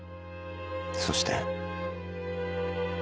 そして。